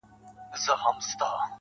له ما پـرته وبـــل چــــــاتــــــه.